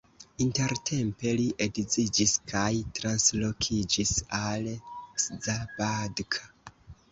Intertempe li edziĝis kaj translokiĝis al Szabadka.